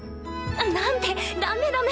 なんてダメダメ！